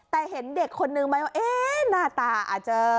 แต่เห็นเด็กคนนึงไหมหน้าตาอาจจะ